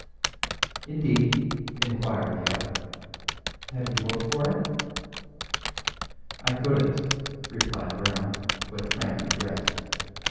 "Indeed?" inquired the other. "Have you looked for it?" "I couldn't," replied Brown, with frank regret.